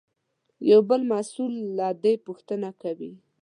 یو بل مسوول له ده پوښتنه کوي.